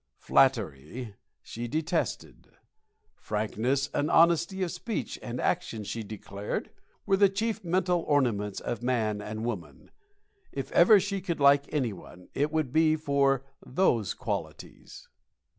Flattery she detested. Frankness and honesty of speech and action, she declared, were the chief mental ornaments of man and woman. If ever she could like any one, it would be for those qualities.